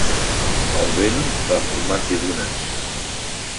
El vent va formant-hi dunes.